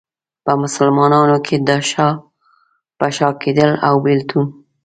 په مسلمانانو کې دا شا په شا کېدل او بېلتون.